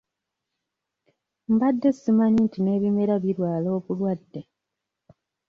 Mbadde simanyi nti n'ebimera birwala obulwadde.